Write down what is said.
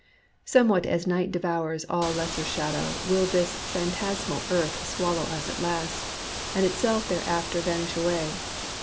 Somewhat as Night devours all lesser shadow will this phantasmal earth swallow us at last, and itself thereafter vanish away.